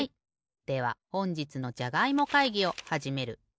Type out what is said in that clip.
ではほんじつのじゃがいも会議をはじめる。